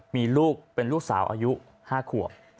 มีลูกเป็นลูกสาวอายุ๕ขวบ